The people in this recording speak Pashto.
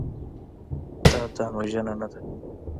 دا ځانوژنه نه ده.